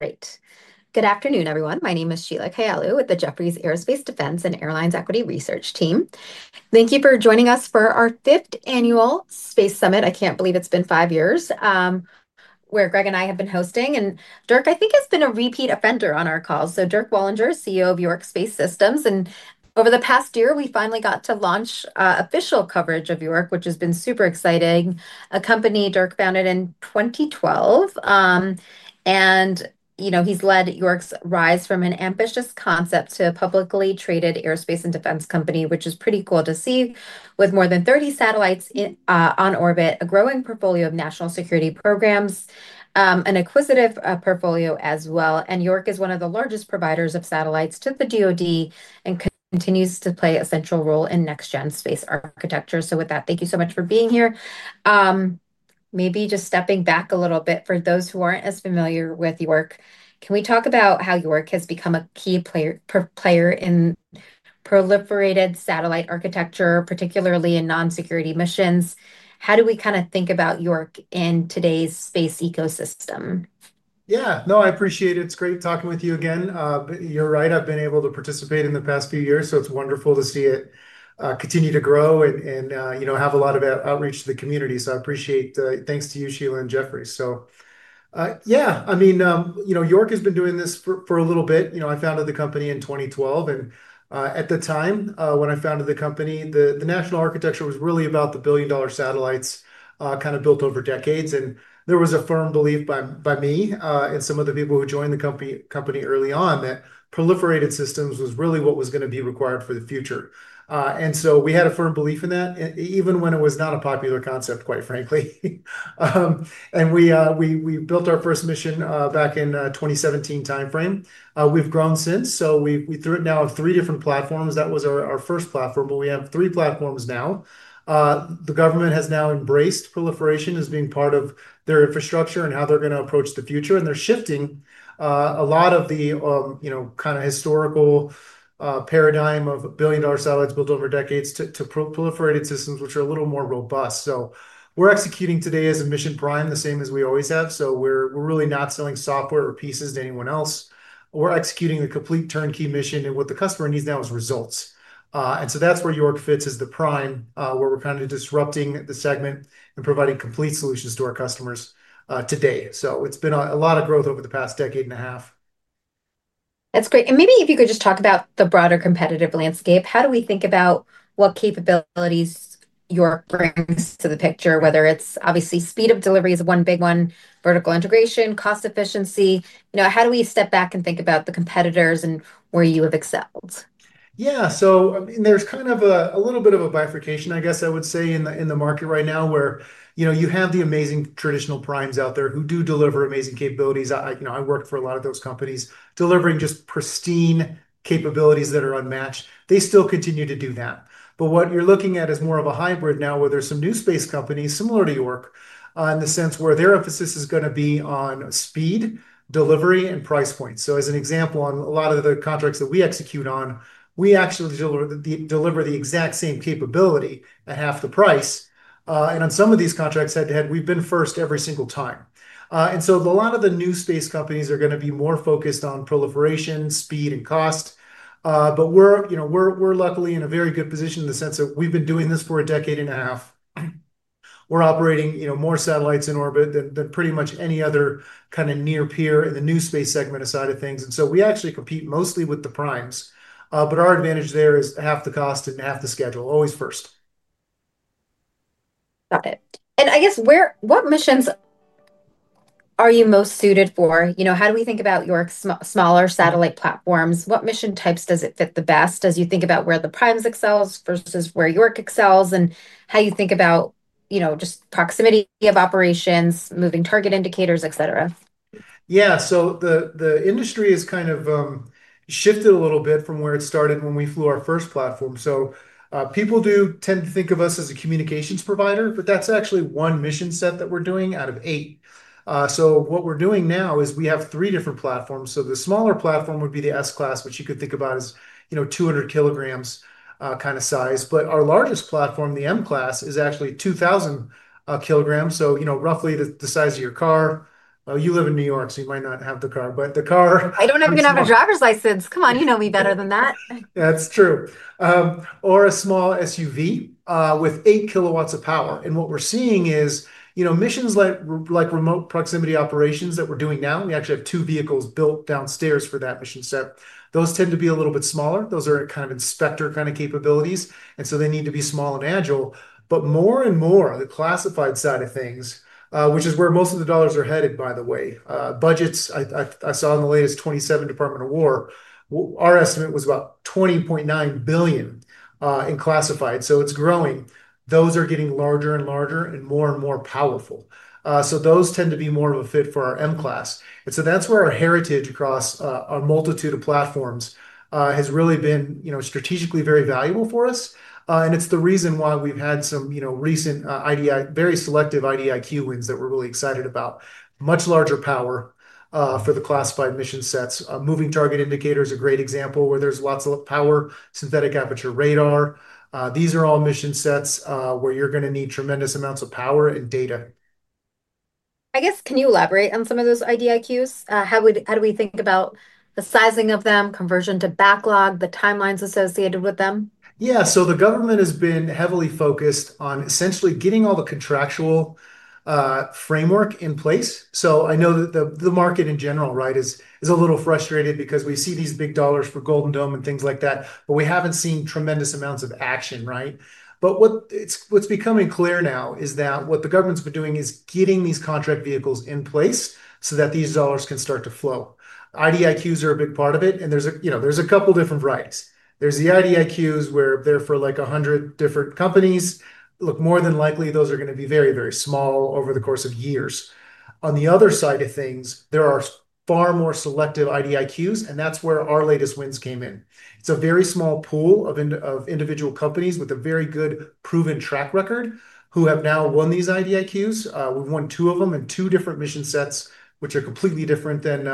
Great. Good afternoon, everyone. My name is Sheila Kahyaoglu with the Jefferies Aerospace, Defense and Airlines Equity Research team. Thank you for joining us for our fifth annual Space Summit. I can't believe it's been five years, where Greg and I have been hosting. Dirk, I think, has been a repeat offender on our calls. Dirk Wallinger, CEO of York Space Systems. Over the past year, we finally got to launch official coverage of York, which has been super exciting. A company Dirk founded in 2012. He's led York's rise from an ambitious concept to a publicly traded aerospace and defense company, which is pretty cool to see, with more than 30 satellites on orbit, a growing portfolio of national security programs, an acquisitive portfolio as well. York is one of the largest providers of satellites to the DoD and continues to play a central role in next-gen space architecture. With that, thank you so much for being here. Maybe just stepping back a little bit for those who aren't as familiar with York, can we talk about how York has become a key player in proliferated satellite architecture, particularly in non-security missions? How do we think about York in today's space ecosystem? Yeah. No, I appreciate it. It's great talking with you again. You're right, I've been able to participate in the past few years, so it's wonderful to see it continue to grow and have a lot of outreach to the community. I appreciate. Thanks to you, Sheila and Jefferies. Yeah. York has been doing this for a little bit. I founded the company in 2012, and at the time when I founded the company, the national architecture was really about the billion-dollar satellites kind of built over decades. There was a firm belief by me and some of the people who joined the company early on that proliferated systems was really what was going to be required for the future. We had a firm belief in that, even when it was not a popular concept, quite frankly. We built our first mission back in 2017 timeframe. We've grown since. We now have three different platforms. That was our first platform, but we have three platforms now. The government has now embraced proliferation as being part of their infrastructure and how they're going to approach the future. They're shifting a lot of the historical paradigm of billion-dollar satellites built over decades to proliferated systems, which are a little more robust. We're executing today as a mission prime, the same as we always have. We're really not selling software or pieces to anyone else. We're executing the complete turnkey mission, and what the customer needs now is results. That's where York fits as the prime, where we're kind of disrupting the segment and providing complete solutions to our customers today. It's been a lot of growth over the past decade and a half. That's great. Maybe if you could just talk about the broader competitive landscape, how do we think about what capabilities York brings to the picture? Obviously, speed of delivery is one big one, vertical integration, cost efficiency. How do we step back and think about the competitors and where you have excelled? There's kind of a little bit of a bifurcation, I guess I would say, in the market right now, where you have the amazing traditional primes out there who do deliver amazing capabilities. I worked for a lot of those companies delivering just pristine capabilities that are unmatched. They still continue to do that. What you're looking at is more of a hybrid now, where there's some new space companies similar to York, in the sense where their emphasis is going to be on speed, delivery, and price point. As an example, on a lot of the contracts that we execute on, we actually deliver the exact same capability at half the price. On some of these contracts head-to-head, we've been first every single time. A lot of the new space companies are going to be more focused on proliferation, speed, and cost. We're luckily in a very good position in the sense that we've been doing this for a decade and a half. We're operating more satellites in orbit than pretty much any other kind of near peer in the new space segment side of things. We actually compete mostly with the primes. Our advantage there is half the cost and half the schedule, always first. Got it. I guess, what missions are you most suited for? How do we think about York's smaller satellite platforms? What mission types does it fit the best as you think about where the primes excels versus where York excels, and how you think about just Proximity of Operations, moving target indicators, et cetera? Yeah. The industry has kind of shifted a little bit from where it started when we flew our first platform. People do tend to think of us as a communications provider, but that's actually one mission set that we're doing out of eight. What we're doing now is we have three different platforms. The smaller platform would be the S-CLASS, which you could think about as 200 kg kind of size. Our largest platform, the M-CLASS, is actually 2,000 kg, so roughly the size of your car. You live in New York, so you might not have the car, but the car. I don't even have a driver's license. Come on, you know me better than that. A small SUV with 8 kW of power. What we're seeing is missions like remote proximity operations that we're doing now, we actually have two vehicles built downstairs for that mission set. Those tend to be a little bit smaller. Those are kind of inspector kind of capabilities, and so they need to be small and agile. More and more on the classified side of things, which is where most of the dollars are headed, by the way. Budgets, I saw in the latest 2027 Department of War, our estimate was about $20.9 billion in classified. It's growing. Those are getting larger and larger and more and more powerful. Those tend to be more of a fit for our M-CLASS. That's where our heritage across a multitude of platforms has really been strategically very valuable for us. It's the reason why we've had some recent very selective IDIQ wins that we're really excited about. Much larger power for the classified mission sets. Moving target indicator is a great example where there's lots of power. Synthetic aperture radar. These are all mission sets where you're going to need tremendous amounts of power and data. I guess, can you elaborate on some of those IDIQs? How do we think about the sizing of them, conversion to backlog, the timelines associated with them? Yeah. The government has been heavily focused on essentially getting all the contractual framework in place. I know that the market in general is a little frustrated because we see these big dollars for Golden Dome and things like that, but we haven't seen tremendous amounts of action, right? What's becoming clear now is that what the government's been doing is getting these contract vehicles in place so that these dollars can start to flow. IDIQs are a big part of it, and there's a couple different varieties. There's the IDIQs where they're for 100 different companies. Look, more than likely, those are going to be very, very small over the course of years. On the other side of things, there are far more selective IDIQs, and that's where our latest wins came in. It's a very small pool of individual companies with a very good proven track record who have now won these IDIQs. We've won two of them in two different mission sets, which are completely different than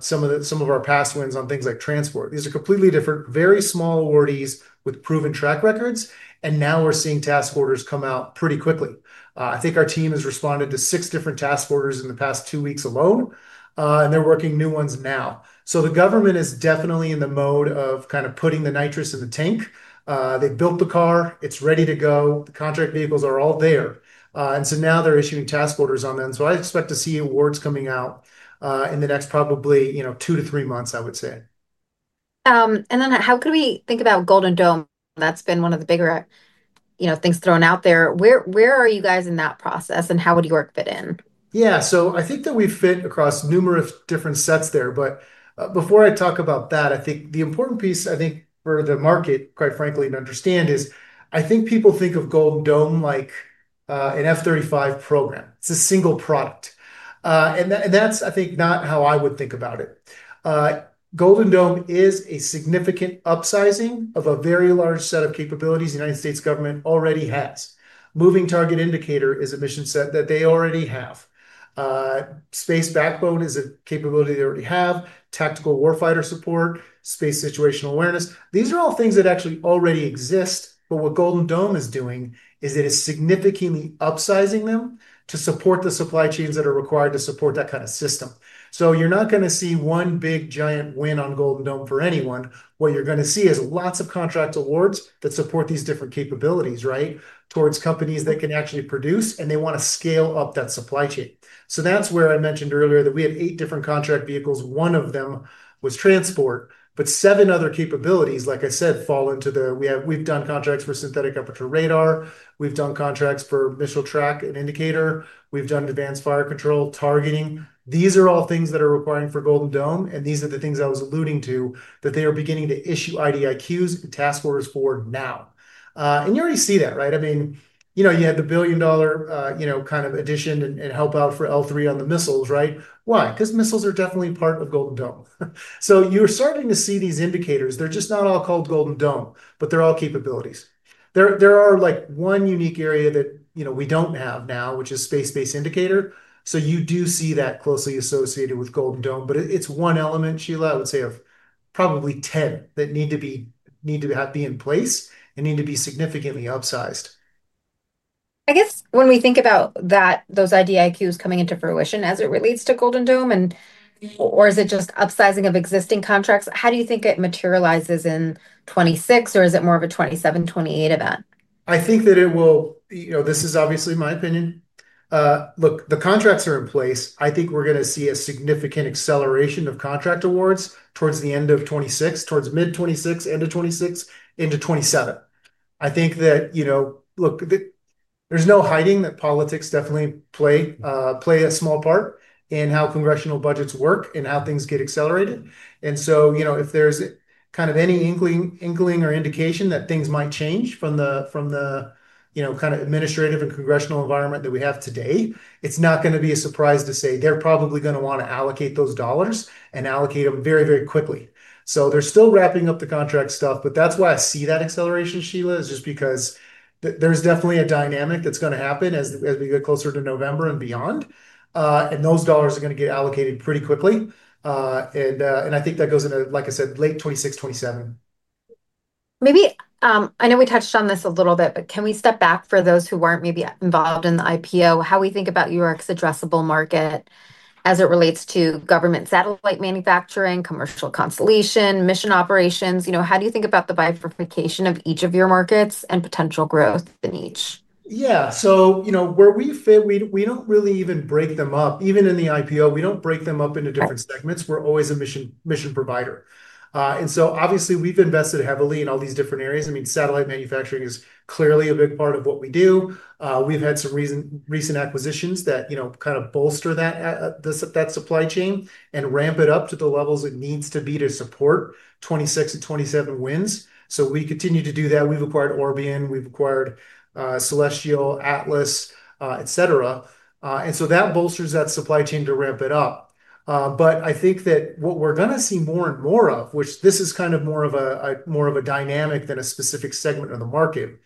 some of our past wins on things like transport. These are completely different, very small awardees with proven track records. Now we're seeing task orders come out pretty quickly. I think our team has responded to six different task orders in the past two weeks alone. They're working new ones now. The government is definitely in the mode of putting the nitrous in the tank. They've built the car. It's ready to go. The contract vehicles are all there. Now they're issuing task orders on them. I expect to see awards coming out in the next probably two to three months, I would say. How could we think about Golden Dome? That's been one of the bigger things thrown out there. Where are you guys in that process, and how would York fit in? Yeah. I think that we fit across numerous different sets there. Before I talk about that, I think the important piece, I think, for the market, quite frankly, to understand is, I think people think of Golden Dome like an F-35 program. It's a single product. That's, I think, not how I would think about it. Golden Dome is a significant upsizing of a very large set of capabilities the United States government already has. Moving target indicator is a mission set that they already have. Space backbone is a capability they already have. Tactical warfighter Support, space situational awareness, these are all things that actually already exist. What Golden Dome is doing is it is significantly upsizing them to support the supply chains that are required to support that kind of system. You're not going to see one big giant win on Golden Dome for anyone. What you're going to see is lots of contract awards that support these different capabilities, towards companies that can actually produce, and they want to scale up that supply chain. That's where I mentioned earlier that we had eight different contract vehicles. One of them was transport, but seven other capabilities, like I said. We've done contracts for synthetic aperture radar. We've done contracts for missile tracking and indication. We've done advanced fire control targeting. These are all things that are required for Golden Dome, and these are the things I was alluding to, that they are beginning to issue IDIQs and task orders for now. You already see that, right? You had the billion-dollar addition and help out for L3 on the missiles, right? Why? Missiles are definitely part of Golden Dome. You're starting to see these indicators. They're just not all called Golden Dome, but they're all capabilities. There are one unique area that we don't have now, which is space-based indicator. You do see that closely associated with Golden Dome, but it's one element, Sheila, let's say, of probably 10 that need to be in place and need to be significantly upsized. I guess when we think about those IDIQs coming into fruition as it relates to Golden Dome, or is it just upsizing of existing contracts? How do you think it materializes in 2026, or is it more of a 2027, 2028 event? This is obviously my opinion. Look, the contracts are in place. I think we're going to see a significant acceleration of contract awards towards the end of 2026, towards mid 2026, end of 2026, into 2027. Look, there's no hiding that politics definitely play a small part in how congressional budgets work and how things get accelerated. If there's any inkling or indication that things might change from the administrative and congressional environment that we have today, it's not going to be a surprise to say they're probably going to want to allocate those dollars and allocate them very, very quickly. They're still wrapping up the contract stuff, but that's why I see that acceleration, Sheila, is just because there's definitely a dynamic that's going to happen as we get closer to November and beyond. Those dollars are going to get allocated pretty quickly. I think that goes into, like I said, late 2026, 2027. Maybe I know we touched on this a little bit, but can we step back for those who weren't maybe involved in the IPO, how we think about York's addressable market as it relates to government satellite manufacturing, commercial constellation, mission operations. How do you think about the bifurcation of each of your markets and potential growth in each? Yeah. Where we fit, we don't really even break them up. Even in the IPO, we don't break them up into different segments. We're always a mission provider. Obviously, we've invested heavily in all these different areas. Satellite manufacturing is clearly a big part of what we do. We've had some recent acquisitions that kind of bolster that supply chain and ramp it up to the levels it needs to be to support 2026 and 2027 wins. We continue to do that. We've acquired Orbion, we've acquired Solestial, ATLAS, et cetera. That bolsters that supply chain to ramp it up. I think that what we're going to see more and more of, which this is more of a dynamic than a specific segment of the market,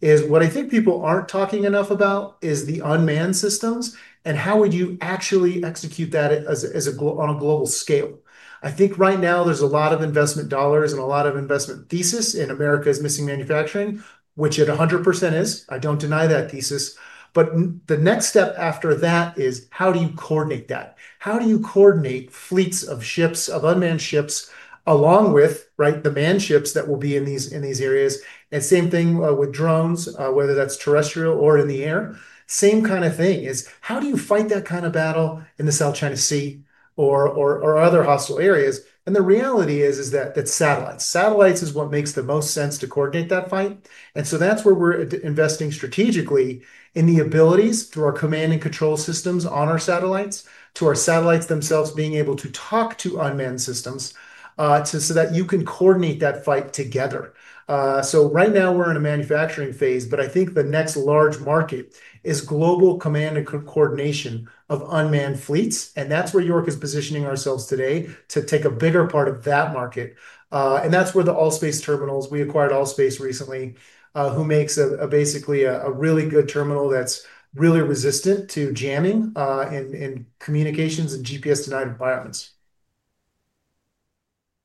is what I think people aren't talking enough about is the unmanned systems and how would you actually execute that on a global scale. I think right now there's a lot of investment dollars and a lot of investment thesis in America's missing manufacturing, which it 100% is. I don't deny that thesis. The next step after that is how do you coordinate that? How do you coordinate fleets of ships, of unmanned ships, along with the manned ships that will be in these areas? Same thing with drones, whether that's terrestrial or in the air. Same kind of thing is how do you fight that kind of battle in the South China Sea or other hostile areas? The reality is that it's satellites. Satellites is what makes the most sense to coordinate that fight. That's where we're investing strategically in the abilities through our command and control systems on our satellites, to our satellites themselves being able to talk to unmanned systems, so that you can coordinate that fight together. Right now we're in a manufacturing phase, but I think the next large market is global command and coordination of unmanned fleets, and that's where York is positioning ourselves today to take a bigger part of that market. That's where the ALL.SPACE terminals, we acquired ALL.SPACE recently, who makes basically a really good terminal that's really resistant to jamming, in communications and GPS denied environments.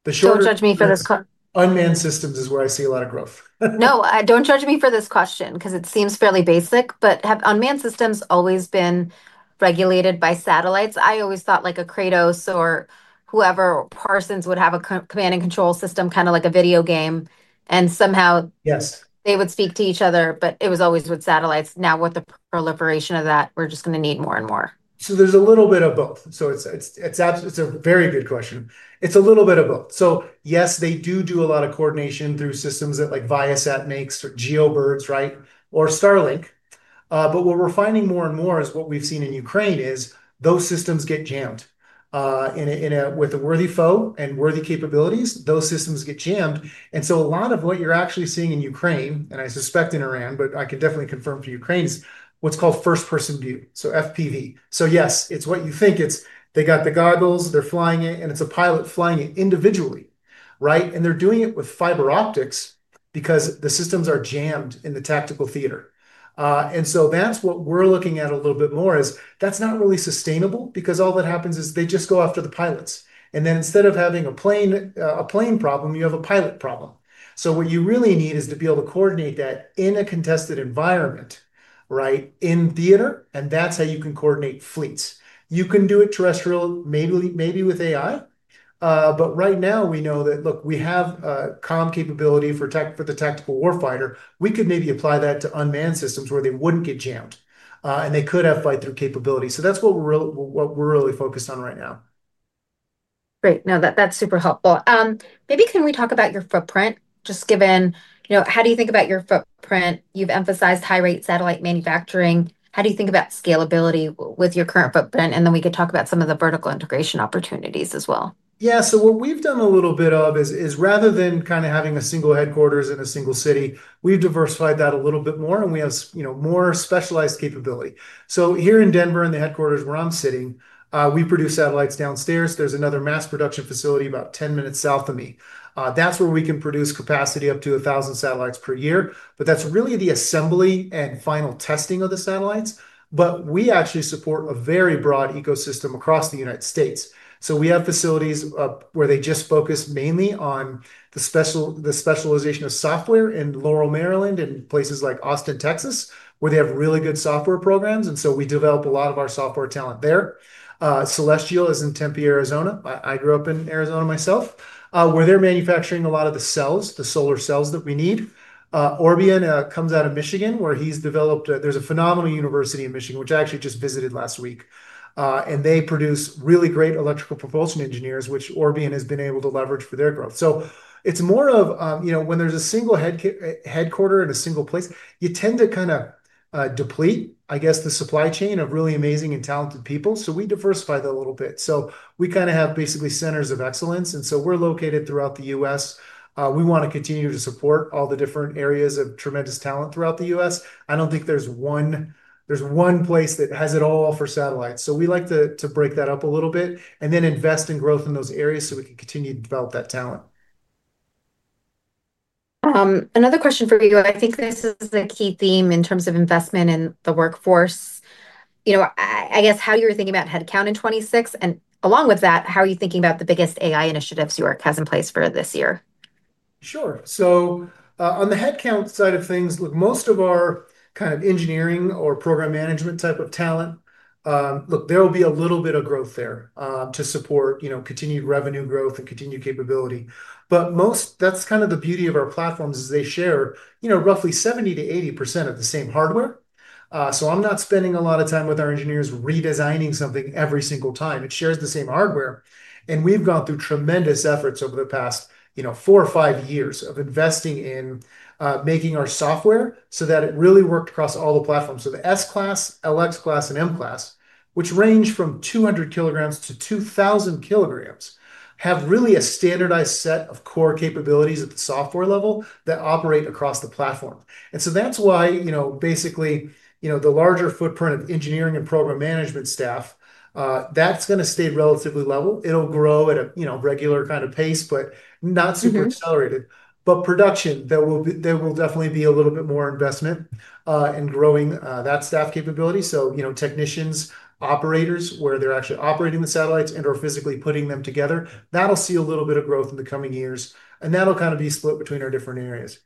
Don't judge me for this. Unmanned systems is where I see a lot of growth. Don't judge me for this question because it seems fairly basic, but have unmanned systems always been regulated by satellites? I always thought like a Kratos or whoever, Parsons, would have a command and control system, kind of like a video game. Yes they would speak to each other, but it was always with satellites. With the proliferation of that, we're just going to need more and more. There's a little bit of both. It's a very good question. It's a little bit of both. Yes, they do do a lot of coordination through systems that like Viasat makes, or GEO birds, or Starlink. What we're finding more and more is what we've seen in Ukraine is those systems get jammed. With a worthy foe and worthy capabilities, those systems get jammed. A lot of what you're actually seeing in Ukraine, and I suspect in Iran, but I can definitely confirm for Ukraine, is what's called first person view, so FPV. Yes, it's what you think. It's they got the goggles, they're flying it, and it's a pilot flying it individually. They're doing it with fiber optics because the systems are jammed in the tactical theater. That's what we're looking at a little bit more is that's not really sustainable because all that happens is they just go after the pilots. Instead of having a plane problem, you have a pilot problem. What you really need is to be able to coordinate that in a contested environment, in theater, and that's how you can coordinate fleets. You can do it terrestrial, maybe with AI. Right now we know that, look, we have a comm capability for the tactical warfighter. We could maybe apply that to unmanned systems where they wouldn't get jammed, and they could have fight through capability. That's what we're really focused on right now. Great. No, that's super helpful. Maybe can we talk about your footprint, just given how do you think about your footprint? You've emphasized high rate satellite manufacturing. How do you think about scalability with your current footprint? We could talk about some of the vertical integration opportunities as well. Yeah. What we've done a little bit of is rather than having a single headquarters in a single city, we've diversified that a little bit more and we have more specialized capability. Here in Denver, in the headquarters where I'm sitting, we produce satellites downstairs. There's another mass production facility about 10 minutes south of me. That's where we can produce capacity up to 1,000 satellites per year. That's really the assembly and final testing of the satellites, but we actually support a very broad ecosystem across the United States. We have facilities where they just focus mainly on the specialization of software in Laurel, Maryland, and places like Austin, Texas, where they have really good software programs, and so we develop a lot of our software talent there. Solestial is in Tempe, Arizona, I grew up in Arizona myself, where they're manufacturing a lot of the cells, the solar cells that we need. Orbion comes out of Michigan. There's a phenomenal university in Michigan, which I actually just visited last week. They produce really great electrical propulsion engineers, which Orbion has been able to leverage for their growth. It's more of when there's a single headquarter in a single place, you tend to deplete the supply chain of really amazing and talented people, so we diversify that a little bit. We have basically centers of excellence, and so we're located throughout the U.S. We want to continue to support all the different areas of tremendous talent throughout the U.S. I don't think there's one place that has it all for satellites. We like to break that up a little bit and then invest in growth in those areas so we can continue to develop that talent. Another question for you, I think this is a key theme in terms of investment in the workforce. I guess how you're thinking about head count in 2026, and along with that, how are you thinking about the biggest AI initiatives York has in place for this year? Sure. On the head count side of things, look, most of our engineering or program management type of talent, there'll be a little bit of growth there to support continued revenue growth and continued capability. That's the beauty of our platforms is they share roughly 70%-80% of the same hardware. I'm not spending a lot of time with our engineers redesigning something every single time. It shares the same hardware. We've gone through tremendous efforts over the past four or five years of investing in making our software so that it really worked across all the platforms. The S-CLASS, LX-CLASS, and M-CLASS, which range from 200 kg-2,000 kg, have really a standardized set of core capabilities at the software level that operate across the platform. That's why the larger footprint of engineering and program management staff, that's going to stay relatively level. It'll grow at a regular pace, not super accelerated. Production, there will definitely be a little bit more investment, in growing that staff capability. Technicians, operators, where they're actually operating the satellites and/or physically putting them together. That'll see a little bit of growth in the coming years, and that'll be split between our different areas.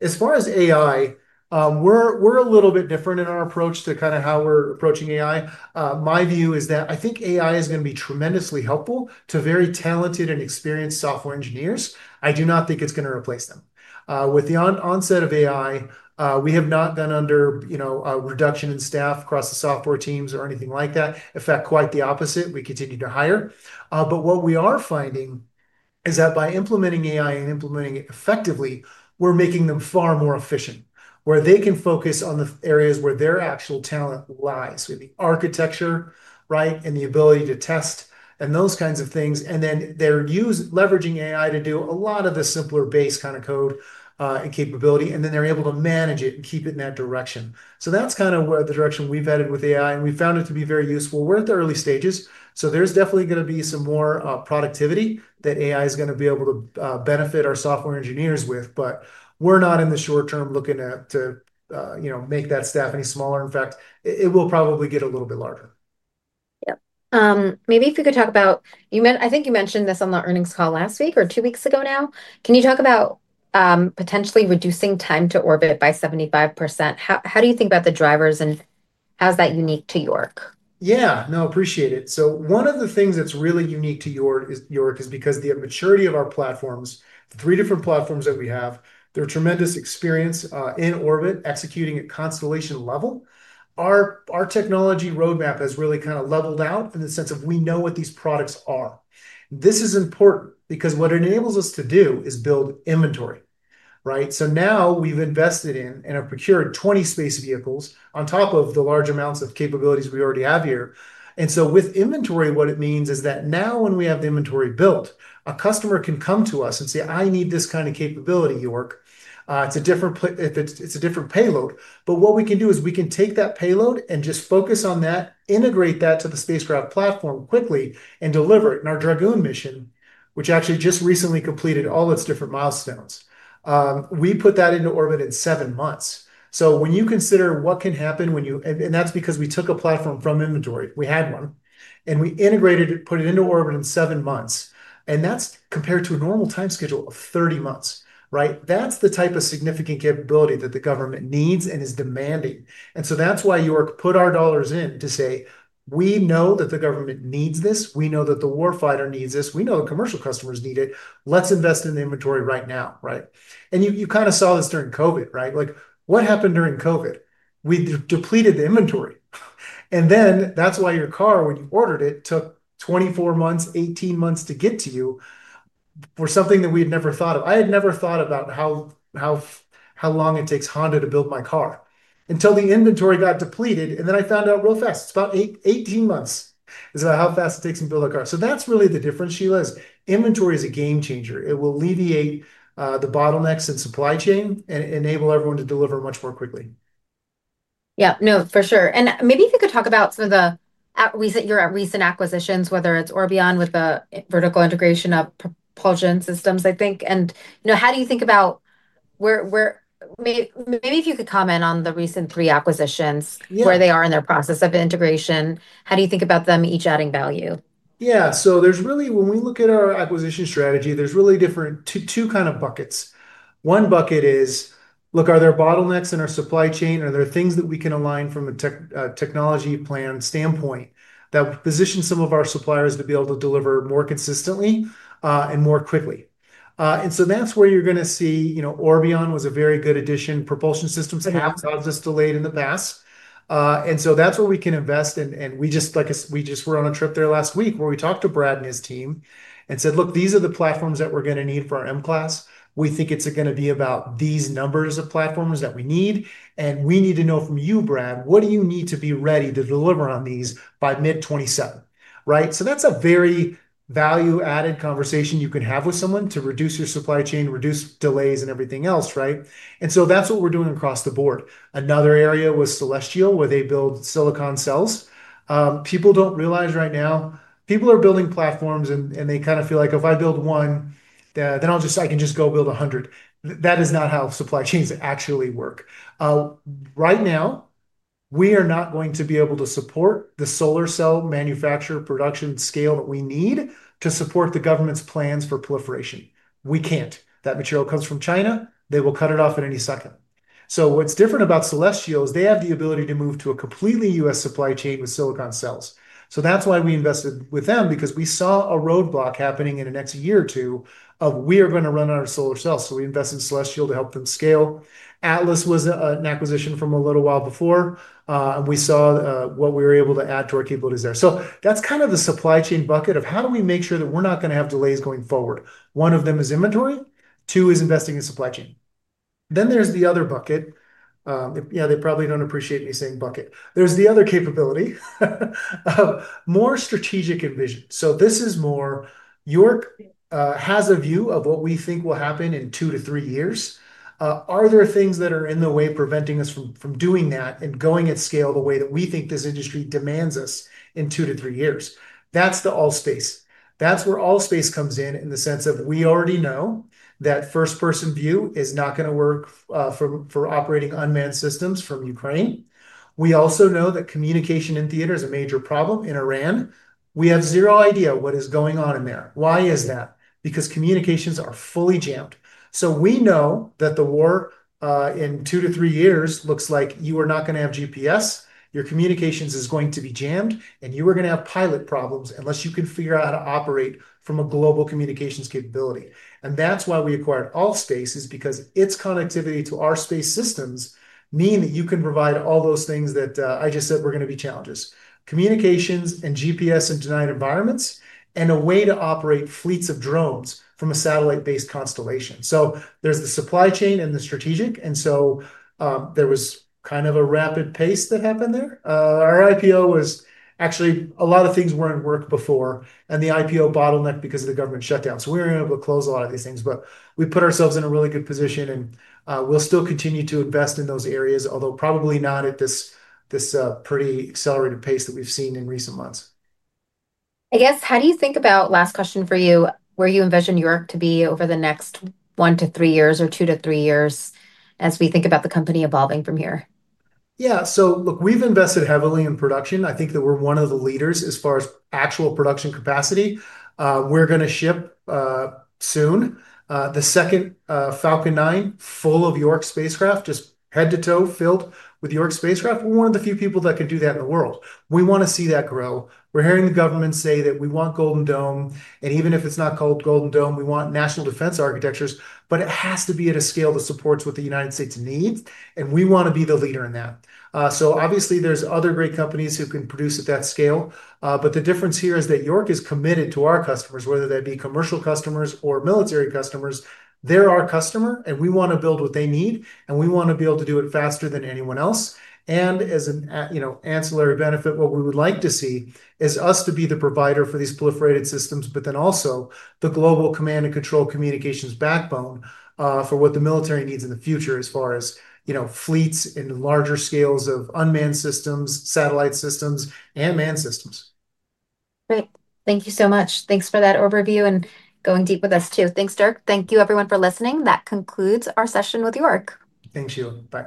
As far as AI, we're a little bit different in our approach to how we're approaching AI. My view is that I think AI is going to be tremendously helpful to very talented and experienced software engineers. I do not think it's going to replace them. With the onset of AI, we have not been under a reduction in staff across the software teams or anything like that. In fact, quite the opposite. We continue to hire. What we are finding is that by implementing AI and implementing it effectively, we're making them far more efficient, where they can focus on the areas where their actual talent lies, with the architecture, and the ability to test and those kinds of things. They're leveraging AI to do a lot of the simpler base code and capability, and then they're able to manage it and keep it in that direction. That's the direction we've headed with AI, and we've found it to be very useful. We're at the early stages, there's definitely going to be some more productivity that AI's going to be able to benefit our software engineers with. We're not in the short term looking to make that staff any smaller. In fact, it will probably get a little bit larger. Yep. I think you mentioned this on the earnings call last week or two weeks ago now. Can you talk about potentially reducing time to orbit by 75%? How do you think about the drivers, and how's that unique to York? Yeah. No, appreciate it. One of the things that's really unique to York is because the maturity of our platforms, the three different platforms that we have, their tremendous experience in orbit executing at constellation level. Our technology roadmap has really leveled out in the sense of we know what these products are. This is important because what it enables us to do is build inventory. Now we've invested in and have procured 20 space vehicles on top of the large amounts of capabilities we already have here. With inventory, what it means is that now when we have the inventory built, a customer can come to us and say, "I need this kind of capability, York." If it's a different payload. What we can do is we can take that payload and just focus on that, integrate that to the spacecraft platform quickly, and deliver it in our Dragoon mission, which actually just recently completed all its different milestones. We put that into orbit in seven months. When you consider what can happen, that's because we took a platform from inventory. We had one, and we integrated it, put it into orbit in seven months, and that's compared to a normal time schedule of 30 months. That's the type of significant capability that the government needs and is demanding. That's why York put our dollars in to say, "We know that the government needs this. We know that the warfighter needs this. We know the commercial customers need it. Let's invest in the inventory right now." You saw this during COVID, right? What happened during COVID? We depleted the inventory. That's why your car, when you ordered it, took 24 months, 18 months to get to you for something that we had never thought of. I had never thought about how long it takes Honda to build my car until the inventory got depleted, and then I found out real fast. It's about 18 months is how fast it takes them to build a car. That's really the difference, Sheila, is inventory is a game changer. It will alleviate the bottlenecks in supply chain and enable everyone to deliver much more quickly. Yeah. No, for sure. Maybe if you could talk about your recent acquisitions, whether it's Orbion with the vertical integration of propulsion systems, I think. Maybe if you could comment on the recent three acquisitions. Yeah where they are in their process of integration. How do you think about them each adding value? Yeah. When we look at our acquisition strategy, there's really different two kind of buckets. One bucket is, look, are there bottlenecks in our supply chain? Are there things that we can align from a technology plan standpoint that position some of our suppliers to be able to deliver more consistently, and more quickly? That's where you're going to see Orbion was a very good addition. Propulsion systems have been just delayed in the past. That's where we can invest in, and we just were on a trip there last week where we talked to Brad and his team and said, "Look, these are the platforms that we're going to need for our M-CLASS. We think it's going to be about these numbers of platforms that we need, and we need to know from you, Brad, what do you need to be ready to deliver on these by mid-2027? That's a very value-added conversation you can have with someone to reduce your supply chain, reduce delays, and everything else. That's what we're doing across the board. Another area was Solestial, where they build silicon cells. People don't realize right now people are building platforms and they feel like if I build one, then I can just go build 100. That is not how supply chains actually work. Right now, we are not going to be able to support the solar cell manufacturer production scale that we need to support the government's plans for proliferation. We can't. That material comes from China. They will cut it off at any second. What's different about Solestial is they have the ability to move to a completely U.S. supply chain with silicon cells. That's why we invested with them, because we saw a roadblock happening in the next year or two of we are going to run out of solar cells. We invested in Solestial to help them scale. ATLAS was an acquisition from a little while before. We saw what we were able to add to our capabilities there. That's the supply chain bucket of how do we make sure that we're not going to have delays going forward. One of them is inventory, two is investing in supply chain. There's the other bucket. They probably don't appreciate me saying bucket. There's the other capability of more strategic envision. This is more York has a view of what we think will happen in two to three years. Are there things that are in the way preventing us from doing that and going at scale the way that we think this industry demands us in two to three years? That's the ALL.SPACE. That's where ALL.SPACE comes in the sense of we already know that first-person view is not going to work for operating unmanned systems from Ukraine. We also know that communication in theater is a major problem in Iran. We have zero idea what is going on in there. Why is that? Because communications are fully jammed. We know that the war, in two to three years looks like you are not going to have GPS, your communications is going to be jammed, and you are going to have pilot problems unless you can figure out how to operate from a global communications capability. That's why we acquired ALL.SPACE is because its connectivity to our space systems mean that you can provide all those things that I just said were going to be challenges. Communications and GPS in denied environments, a way to operate fleets of drones from a satellite-based constellation. There's the supply chain and the strategic, there was a rapid pace that happened there. Our IPO was actually a lot of things were in work before, the IPO bottlenecked because of the government shutdown, we weren't able to close a lot of these things. We put ourselves in a really good position and we'll still continue to invest in those areas, although probably not at this pretty accelerated pace that we've seen in recent months. I guess, how do you think about, last question for you, where you envision York to be over the next one to three years or two to three years as we think about the company evolving from here? Yeah. Look, we've invested heavily in production. I think that we're one of the leaders as far as actual production capacity. We're going to ship soon the second Falcon 9 full of York spacecraft, just head to toe filled with York spacecraft. We're one of the few people that can do that in the world. We want to see that grow. We're hearing the government say that we want Golden Dome, and even if it's not called Golden Dome, we want national defense architectures, but it has to be at a scale that supports what the United States needs, and we want to be the leader in that. Obviously there's other great companies who can produce at that scale, but the difference here is that York is committed to our customers, whether that be commercial customers or military customers. They're our customer, and we want to build what they need, and we want to be able to do it faster than anyone else. As an ancillary benefit, what we would like to see is us to be the provider for these proliferated systems, but then also the global command and control communications backbone for what the military needs in the future as far as fleets and larger scales of unmanned systems, satellite systems and manned systems. Great. Thank you so much. Thanks for that overview and going deep with us too. Thanks, Dirk. Thank you everyone for listening. That concludes our session with York. Thanks, Sheila. Bye.